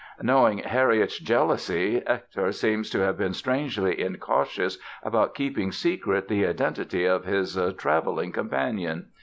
Knowing Harriet's jealousy Hector seems to have been strangely incautious about keeping secret the identity of his "traveling companion".